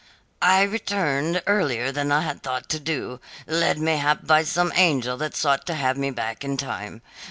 "I returned earlier than I had thought to do, led mayhap by some angel that sought to have me back in time.